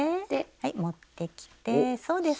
はい持ってきてそうです。